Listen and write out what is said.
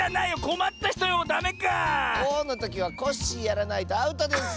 「こ」のときはコッシーやらないとアウトです。